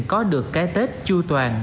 có được cái tết chua toàn